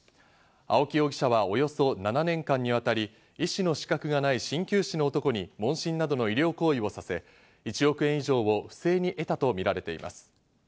青木容疑者はおよそ７年間にわたり、医師の資格がない針灸師の男に問診などの医療行為をさせ、１億円以上を不正に得たとみられています。